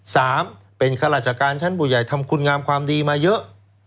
สามเป็นข้าราชการชั้นผู้ใหญ่ทำคุณงามความดีมาเยอะ